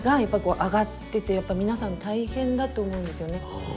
やっぱこう上がっててやっぱ皆さん大変だと思うんですよね。